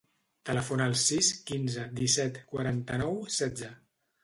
Telefona al sis, quinze, disset, quaranta-nou, setze.